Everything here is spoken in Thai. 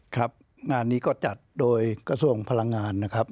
ครับงานนี้ก็จัดโดยกระทรวงพลังงานนะครับ